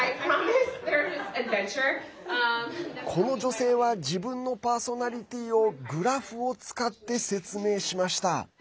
この女性は自分のパーソナリティーをグラフを使って説明しました。